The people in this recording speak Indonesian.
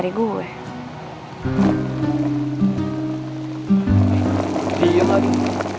tidak ada ada ada